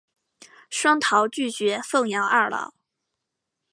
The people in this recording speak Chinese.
双桃拒绝奉养二老。